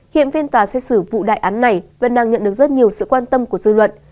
hiện phiên tòa xét xử vụ đại án này vẫn đang nhận được rất nhiều sự quan tâm của dư luận